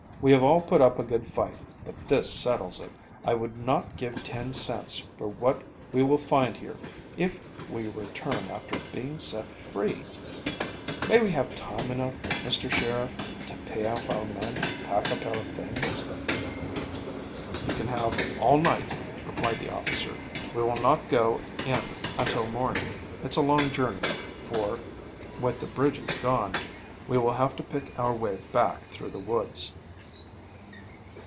We have all put up a good fight, but this settles it. I would not give ten cents for what we will find here if we return after being set free. May we have time enough, Mr. Sheriff, to pay off our men and pack up our things?" "You can have all night," replied the officer. "We will not go in until morning. It's a long journey, for, with the bridges gone, we will have to pick our way back through the woods."